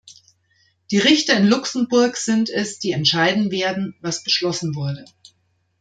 Die Richter in Luxemburg sind es, die entscheiden werden, was beschlossen wurde.